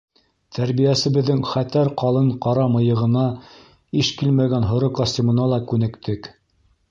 Тәрбиәсебеҙҙең хәтәр ҡалын ҡара мыйығына иш килмәгән һоро костюмына ла күнектек.